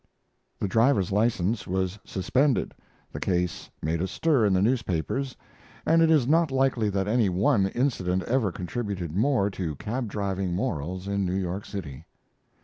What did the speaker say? The driver's license was suspended. The case made a stir in the newspapers, and it is not likely that any one incident ever contributed more to cab driving morals in New York City.